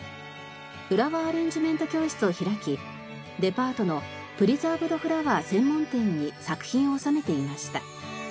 フラワーアレンジメント教室を開きデパートのプリザーブドフラワー専門店に作品を納めていました。